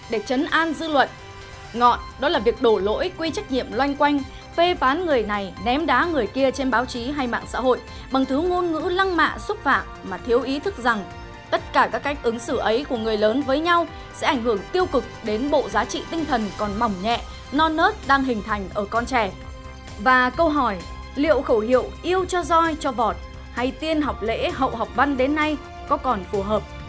và câu hỏi liệu khẩu hiệu yêu cho roi cho vọt hay tiên học lễ hậu học văn đến nay có còn phù hợp